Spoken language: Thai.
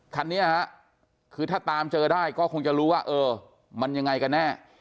คันนี้ฮะคือถ้าตามเจอได้ก็คงจะรู้ว่าเออมันยังไงกันแน่